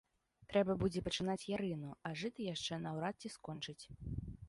Трэба будзе пачынаць ярыну, а жыта яшчэ наўрад ці скончаць.